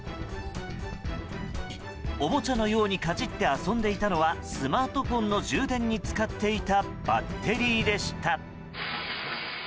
おもちゃのようにかじって遊んでいたのはスマートフォンの充電に使っていたバッテリーでした。